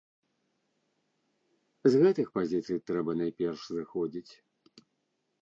З гэтых пазіцый трэба найперш зыходзіць.